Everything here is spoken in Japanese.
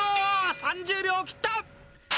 ３０秒を切った！